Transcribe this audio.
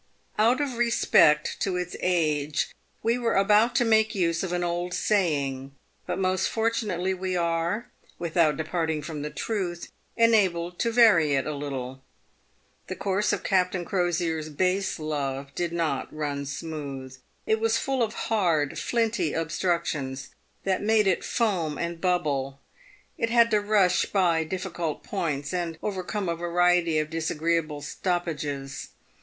Out of respect to its age, we were about to make use of an old saying, but most fortunately we are, without departing from the truth, enabled to vary it a little. The course of Captain Crosier's base love did not run smooth. It was full of hard, flinty obstructions, that made it foam and bubble ; it had to rush by difficult points, and overcome a variety of disagreeable stoppages.